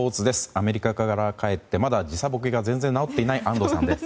アメリカから帰って時差ボケが全然治っていない安藤さんです。